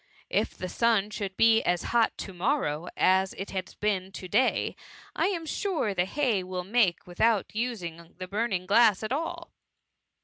Jf the sun should be as h^t toro^ftonrow as it has been to day, J. am sure c 2 S8. THE MUMMY/ the hay will make without using the l)urning' glass at all.